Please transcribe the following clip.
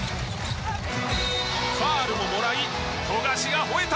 ファールももらい富樫が吠えた！